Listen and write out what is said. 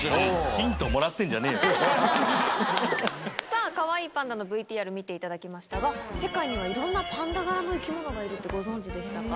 ヒントをもらってんじゃねぇさあ、かわいいパンダのＶＴＲ見ていただきましたが、世界にはいろんなパンダ柄の生き物がいるって、ご存じでしたか。